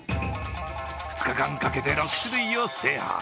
２日間食べて６種類を制覇。